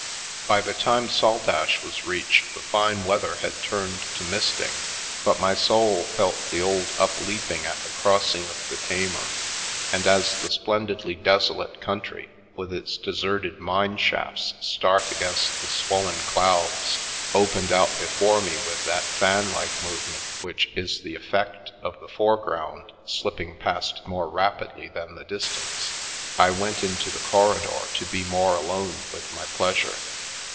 By the time Saltash was reached the fine weather had turned to " misting," but my soul felt the old up leaping at the crossing of the Tamar, and as the splendidly desolate country, with its deserted mine shafts stark against the swollen clouds, opened out before me with that fan like movement which is the effect of the fore ground slipping past more rapidly than the distance, I went into the corridor to be more alone with my pleas ure.